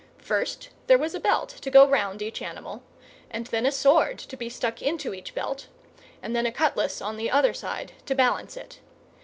First, there was a belt to go round each animal, and then a sword to be stuck into each belt, and then a cutlass on the other side to balance it.